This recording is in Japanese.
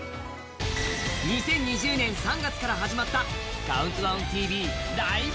２０２０年３月から始まった「ＣＤＴＶライブ！